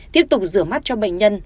tiếp tục rửa mắt cho bệnh nhân